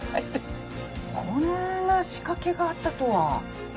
こんな仕掛けがあったとは。